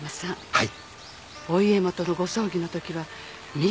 はい。